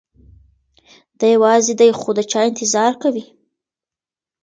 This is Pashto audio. دی یوازې دی خو د چا انتظار کوي.